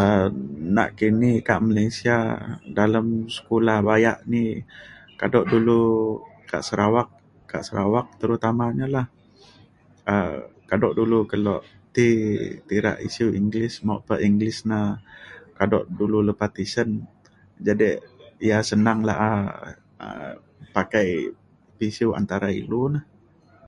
um nakini ka’ang Malaysia dalem sekula bayak ni kado dulu kak Sarawak kak Sarawak terutamanya lah um kado dulu kelo ti ti dak isiu English mok pa English na kado dulu lepa tisen jadi ia’ senang la’a um pakai pisiu antara ilu lah